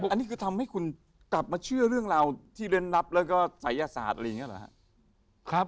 อันนี้คือทำให้คุณกลับมาเชื่อเรื่องราวที่เล่นนับแล้วก็ศัยศาสตร์อะไรอย่างนี้เหรอครับ